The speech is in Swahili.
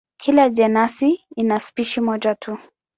Kila jenasi ina spishi moja tu.